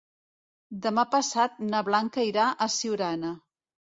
Demà passat na Blanca irà a Siurana.